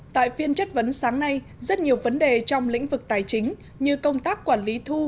tại phiên chất vấn sáng nay rất nhiều vấn đề trong lĩnh vực tài chính như công tác quản lý thu